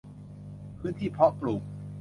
พื้นที่เพาะปลูก